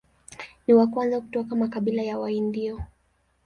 Ni wa kwanza kutoka makabila ya Waindio.